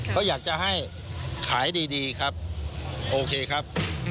เขาอยากจะให้ขายดีครับโอเคครับ